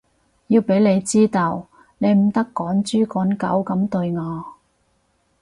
要畀你知道，你唔得趕豬趕狗噉對我